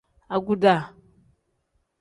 Aguda.